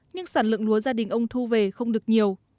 nhưng sản lượng lúa gia đình ông thu về không được nhiều